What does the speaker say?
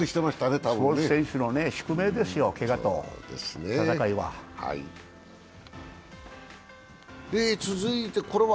スポーツ選手の宿命ですよ、けがとの闘いは。